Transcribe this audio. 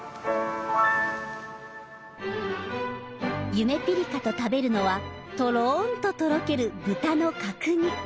ゆめぴりかと食べるのはとろんととろける豚の角煮。